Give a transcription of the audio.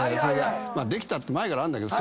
できたって前からあんだけど。